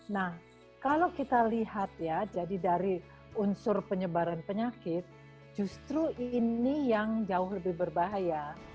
nah kalau kita lihat ya jadi dari unsur penyebaran penyakit justru ini yang jauh lebih berbahaya